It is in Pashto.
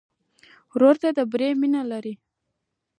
ورور ته د بری مینه لرې.